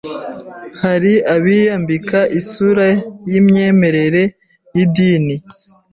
Hari abiyambika isura y’imyemerere y’idini